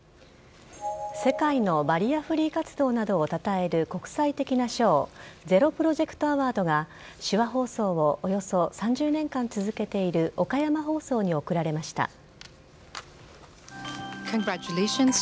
世界のバリアフリー活動などをたたえる、国際的な賞ゼロ・プロジェクト・アワードが手話放送をおよそ３０年間続けている岡山放送に贈られました。